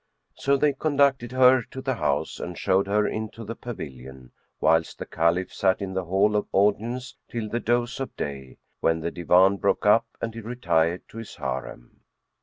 So they conducted her to the house and showed her into the pavilion, whilst the Caliph sat in the hall of audience till the dose of day, when the Divan broke up and he retired to his harem.